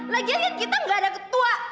lagian lihat kita gak ada ketua